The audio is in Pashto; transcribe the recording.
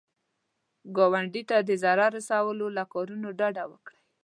ګاونډي ته د ضرر رسولو له کارونو ډډه وکړه